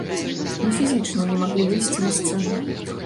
Мы фізічна не маглі выйсці на сцэну.